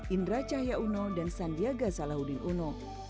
indra cahaya uno dan sandiaga salahuddin uno